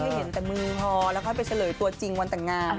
เห็นแต่มือฮอแล้วค่อยไปเฉลยตัวจริงวันแต่งงาน